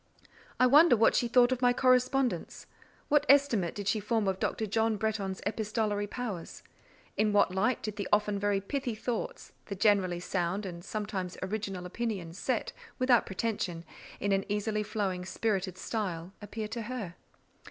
I wonder what she thought of my correspondence? What estimate did she form of Dr. John Bretton's epistolary powers? In what light did the often very pithy thoughts, the generally sound, and sometimes original opinions, set, without pretension, in an easily flowing, spirited style, appear to her?